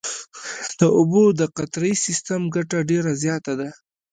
د اوبو د قطرهیي سیستم ګټه ډېره زیاته ده.